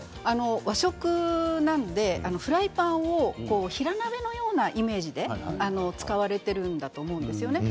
和食なのでフライパンを平鍋のようなイメージで使われているんだと思いますね。